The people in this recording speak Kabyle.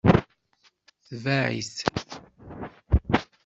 Tbeɛ-it.